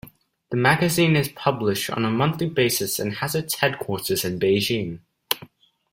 The magazine is published on a monthly basis and has its headquarters in Beijing.